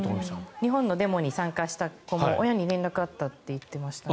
日本のデモに参加した人も親に連絡があったって言っていましたね。